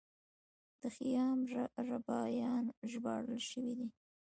د خیام رباعیات ژباړل شوي دي.